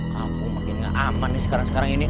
kamu makin gak aman nih sekarang sekarang ini